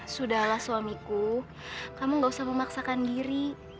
sudahlah suamiku kamu gak usah memaksakan diri